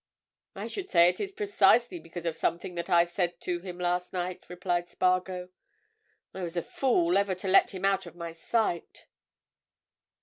"I should say it is precisely because of something that I said to him last night," replied Spargo. "I was a fool ever to let him out of my sight."